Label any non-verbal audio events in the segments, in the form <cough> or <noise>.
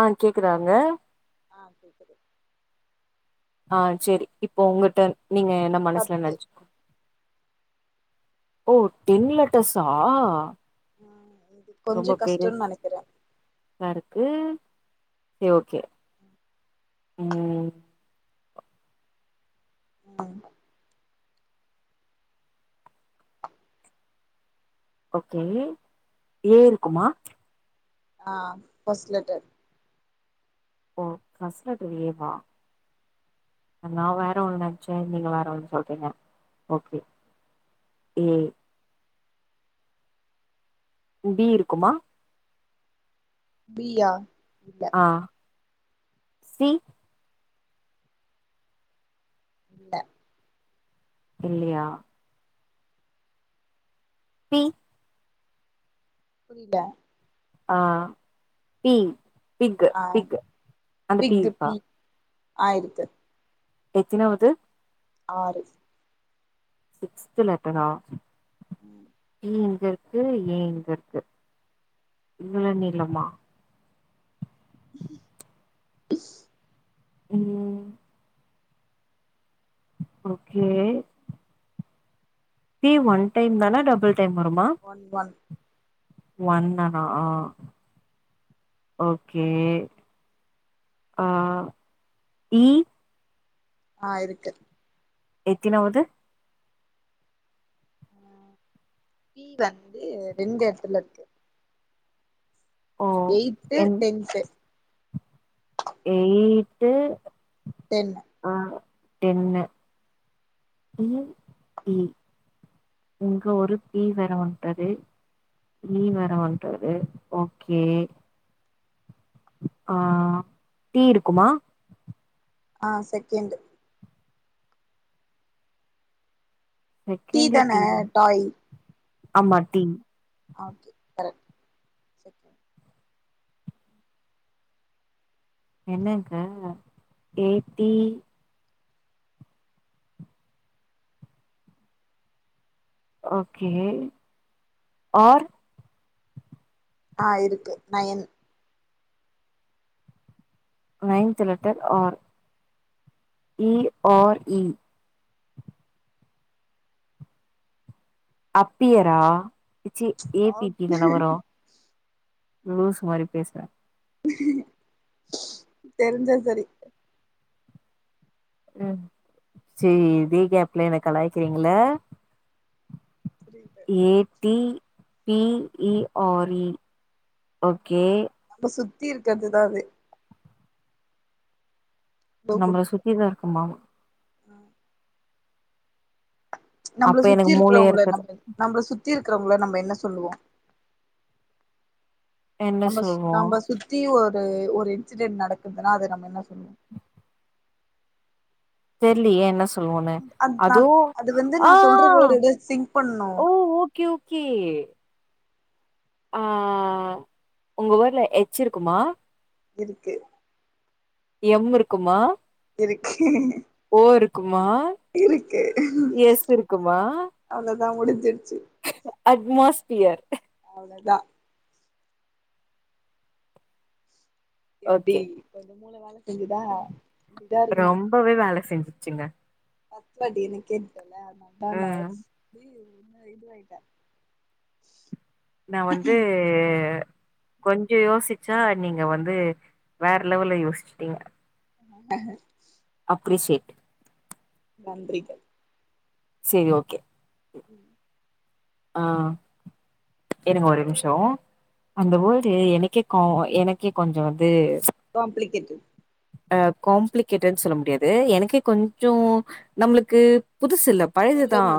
ஆஹ் கேக்குதாங்க ஆஹ் சரி சரி ஆஹ் சேரி இப்போ உங்கட்ட நீங்க என்ன மனசுல பத்து நெனச்சு <inaudible> ஓ டென் லட்டர்ஸா ம் இது ரொம்ப கொஞ்சோ பெரு கஷ்டோன்னு நெனைக்கிறே சா இருக்கு சரி ஓகே உம் <unintelligible> ஓகே ஏ இருக்குமா ஆ first letter O first letter A வா நா வேற ஒன்னு நெனச்சே நீங்க வேற ஒண்ணு சொல்றீங்க ஓக்கே எ பிடி இருக்குமா பி யா இல்ல ஆ சி இல்ல இல்லையா பி புரியல ஆ பி பிக் ஆ பிக் அந்த பி இருக்கா ஆ இருக்கு எத்தினாவது ஆறு சிக்ஸ்த்து லெட்டரா உம் ஏ எங்க இருக்கு ஏ எங்க இருக்கு இவ்வலா நீலமா ஹா உம் ஓக்கே பி ஒன் டைம் தானே டபுள் டைம் வருமா ஒன் ஒன் ஒண்னா ஆ ஓக்கே ஆ இ ஆ இருக்கு எத்தினாவது உ பீ வந்து ரெண்டு எடத்துல இருக்கு ஓ ஏயித்து டென்த்து ஏயித்து டென் டென்னு உம் இ இங்க ஒரு டி வேர வந்தது டீன் வேற வன்டாரு ஓக்கே ஆ டீ இருக்குமா ஆ செக்கெண்டு டீ சேகண்டே தான டி தா ஆமா டி ஓக்கே கரெக்ட் சேகெண் என்னங்க எயிட்டி ஓக்கே ஆர் ஆ இருக்கு நா என் ninth letter R E R E அப்பியரா A C A O B B தானே வரு லூசு மாரி பேசுரே தெரிஞ்ச சரி உம் செரி இதே கேப்ல என்ன கலாய்க்கிறீங்களா புரியுது A D B E R E okay நம்ம சுத்தி இருக்கிறதுதா அது நம்மள சுத்திதா இருக்குமாம ஆ நம்பள அப்ப சுத்தி எனக்கு மூளையே இருக்கறவங்கள இருக்காது நம்பள நம்மள சுத்தி சுத்தி இருக்கிறவங்கள நம்ம என்ன சொல்லுவோம் என்ன நம்ம சொல்வோ நம்ம சுத்தி ஒரு ஒரு ஒரு இன்சிடென்ட் நடக்குதுன்னா அத நம்ம என்ன சொல்லுவோம் தெரிலயே என்ன சொ சொல்லுவோமே அது நா அதோ அது வந்து நான் சொல்ற ஆஹ் வேர்டோட சிங்க் பண்ணும் ஓ ஓகே ஓகே ஆஹ் உங்க ஊர்ல எட்ஜ் இருக்குமா இருக்கு எம் இருக்குமா கி ஹ ஹ ஓ இருக்குமா இருக்கு எஸ் இருக்குமா அவ்ளோ தான் முடிஞ்சிடுச்சு அட்மாஸ்பியர் அதான் எப்டி ஓகே கொஞ்சம் மூளை வேலை செஞ்சுதா அப்படிதான் இருக்கணும் வச்சுங்க <unintelligible> ம் என்ன இதுவாயிட்டா நா வந்து கொஞ்சம் யோசிச்சா நீங்க வந்து வேற லெவல்ல யோசிச்சிட்டீங்க அஹ க்ரிஷிட் நன்றிகள் சேரி ஓகே உம் ஆஹ் இருங்க ஒரு நிமிஷம் அந்த வேர்ட் எனக்கே கா எனக்கே கொஞ்சம் வந்து காம்ப்ளிகே்ட் அஹ் காம்ப்ளிகேட்டடனு சொல்ல முடியாது எனக்கே கொஞ்சம் நம்மளுக்கு புதுசுல்ல சொல்ல பழதுதான்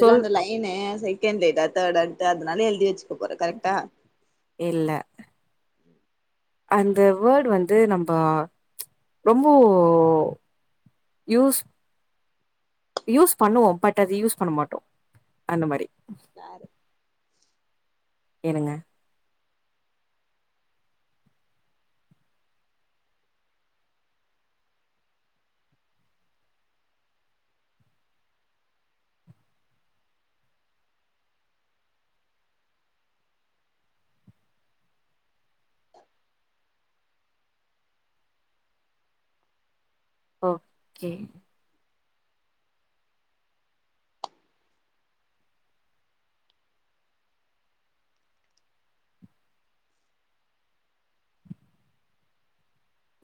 சொல் என்ன செகண்ட்டா தே தேர்ட் அதனால எழுதி வச்சுக்க போறேன் கரெக்டா இல்ல அந்த வேர்டு வந்து நம்ம ரொம்ப யூஸ் யூஸ் பண்ணுவோம் பட் அது யூஸ் பண்ண மாட்டோம் அந்த மாரி யாரு ஏனுங்க ஓகே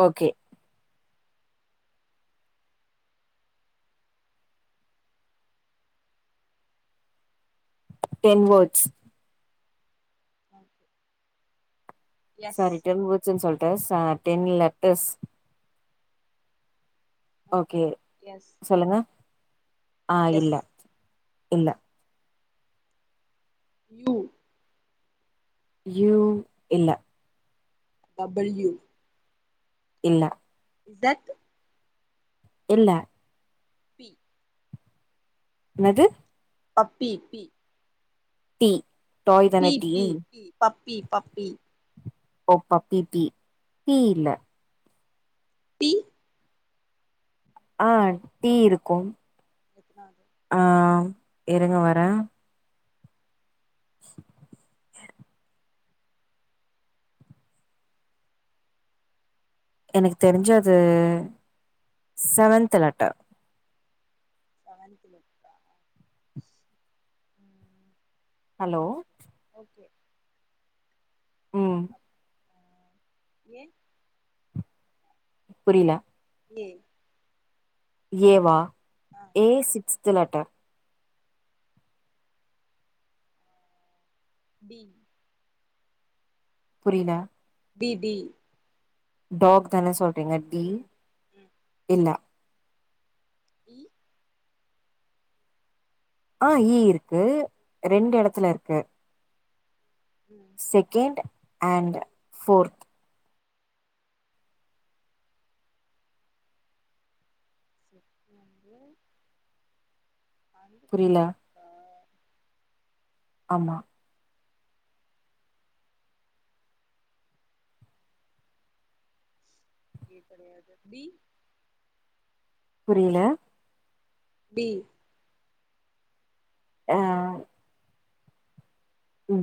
ஓகே டென் ம் வேர்ட்ஸ் <inaudible> சாரி டென் வேர்ட்ஸ் ன்னு சொல்லிட்டே டென் லெட்டர்ஸ் ஓகே எஸ் சொல்லுங்க ஆஹ் இல்ல எஸ் இல்ல யூ யூ இல்ல டபுள்யூ இல்ல இஸெட் இல்ல பி என்னது puppy B D B B B puppy puppy ஒ பப்பி பி பீ இல்ல டி ஆ டீ இருக்கும் எத்தனாது ஆ இருங்க வரே எனக்கு தெரிஞ்சது செவன்த் லெட்டர் செவன்த் லேட்டரா ம் ஹலோ ஓகே ஓகே ம் அப்போ ஏ புரியில ஏய் ஏ வா ஏ சிக்ஸ்த் லெட்டர் டி புரியல டி டி டாக் தான சொல்றீங்க டி ம் இல்ல ஈ ஆ ஈ இருக்கு ரெண்டு எடத்துல இருக்கு ம் செகண்ட் அண்ட் ஃபோர்த் செக் வந்து அண்டு புரில போட்டா ஆமா இதுக்கடையாது பி புரியல டி எ ஆ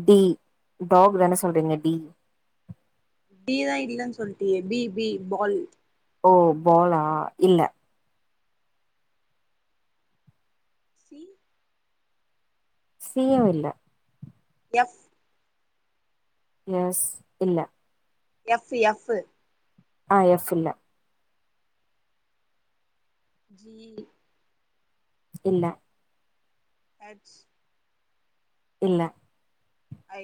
டி டாக் தான சொல்றீங்க டி டி தா இல்லன்னு சொல்லிட்டியே பி பி பால் ஓ பாலா இல்ல சி சி யு இல்ல எஃப் எஸ் இல்ல எஃப் எஃப் ஆ எஃப்யில்ல ஜி இல்ல எச் இல்ல ஐ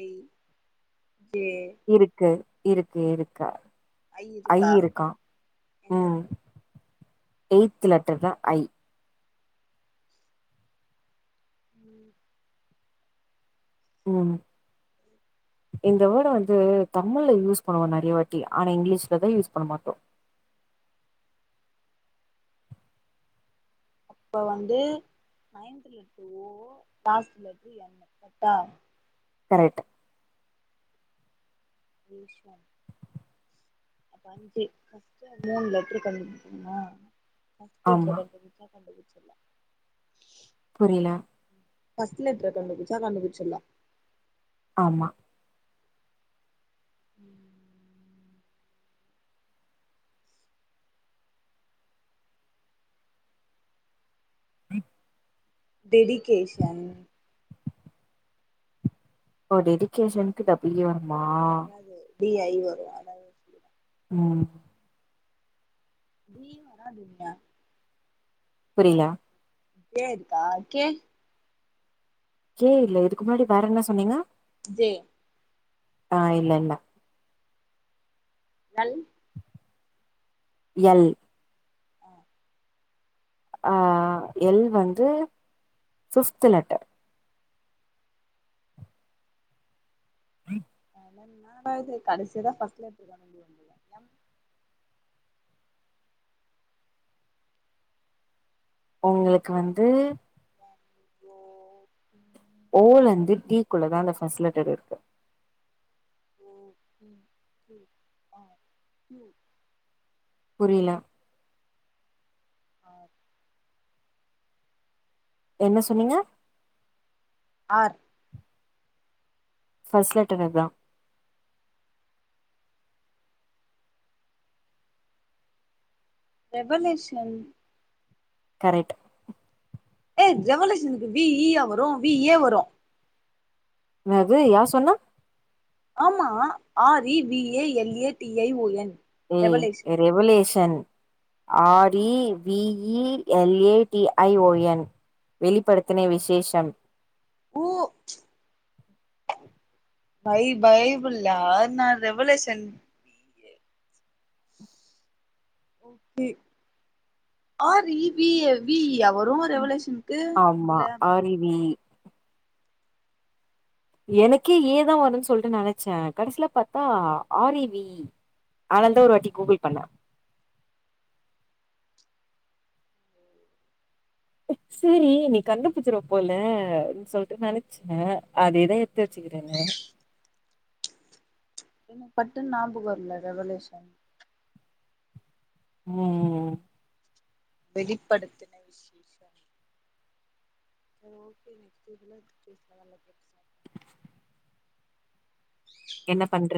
ஜே இருக்கு இருக்கு இருக்கா ஐ இருக்கா எங்க ம் இருக்கு எய்த்து லெட்டர்ல ஐ ம் ம் இந்த வேர்ட வந்து தமுழ்ல ஆ யூஸ் பண்ணுவோ நறைய வாட் டி ஆனா இங்கிலீஷ்ல தா யூஸ் பண்ண மாட்டோ அப்ப வந்து நைன்த்ல ஓ டாஸ்ட்லந்து என்னு கர்ட்டா கரெக்ட் <inaudible> <unintelligible> ஃபஸ்ட் லெட்டர் ஆமா கண்டு பிடிச்சா கண்டுபிடிச்சிடலாம் புரியல ஃபஸ்ட் லெட்டரு கண்டுபிடிச்சா கண்டுபிடிச்சிடலாம் ஆமா டெடிகேஷன் ஓ டெடிகேஷனுக்கு டபுல் ஏ வருமா பி ஐ வரும் அதா உம் பி வராதுங்க புரில கேக்குதா கே கே இல்ல இதுக்கு முன்னாடி வேற என்ன சொன்னீங்க ஜெ ஆஹ் இல்ல இல்ல நல் எல் ஆஹ் ஆஹ் எல் வந்து ஃபிஃப்த் லெட்டர் னது கடைசியா தான் பஸ்ட் லெட்டர் <inaudible> உங்களுக்கு வந்து என் ஓ பி ஓ ல இருந்து பி குள்ளதான் அந்த ஃபர்ஸ்ட் லெட்டர் இருக்கு ஓ உம் உம் ஆஹ் புரியல ஆ என்ன சொன்னீங்க ஆர் ஃபர்ஸ்ட் லெட்டர் இதான் ரெவல்யூஷன் கரெக்ட்டு ஏ ரெவலுஷனுக்கு பி இ அஹ் வரும் பி ஏ வரும் என்னது யார் சொன்னா ஆமா R E V A L A T I O N ம் revelation revelation R E V E L A T I O N வெளிப்படுத்தின விசேஷம் ஊ பை பைபுல்ல நா revolution O B R E B A V E ஆ வரும் ரெவோலுஷனுக்கு ஆமா ஆர் இ வி இ எனக்கே ஏ தான் வரும்ன்னு சொல்லிட்டு நினைச்சேன் கடைசியில பார்த்தா ஆர் ஏ வி இ அனந்த ஒரு வாட்டி கூகுள் பண்ண ம் சேரி நீ கண்டுபிச்சிருவ போல சொல்லிட்டு நினைச்சேன் அதேதான் எத்து வச்சு இருங்க என்ன பட்டுன்னு நாம்புகம்ர்ல ரெவலயூஷன் உம் ம் வெளிப்படத்தின விசேஷ சரி ஓகே நெக்ஸ்ட் இதுல பேசலா நல்ல பேசுவோ என்ன பண்ற